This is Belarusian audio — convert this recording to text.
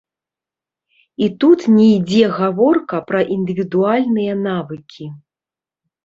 І тут не ідзе гаворка пра індывідуальныя навыкі.